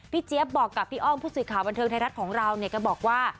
เจี๊ยบบอกกับพี่อ้อมผู้สื่อข่าวบันเทิงไทยรัฐของเราเนี่ยก็บอกว่า